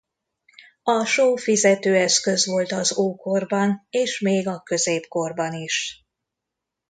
A só fizetőeszköz volt az ókorban és még a középkorban is.